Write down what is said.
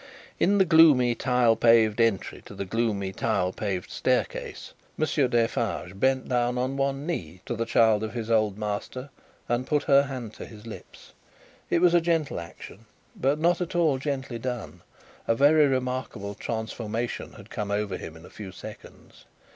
In the gloomy tile paved entry to the gloomy tile paved staircase, Monsieur Defarge bent down on one knee to the child of his old master, and put her hand to his lips. It was a gentle action, but not at all gently done; a very remarkable transformation had come over him in a few seconds.